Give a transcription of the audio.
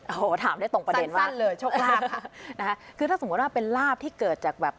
โอ้โหถามได้ตรงประเด็นมากนะคะคือถ้าสมมุติว่าเป็นลาบที่เกิดจากแบบ